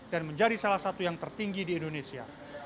dan menjadi salah satu yang tertinggi di indonesia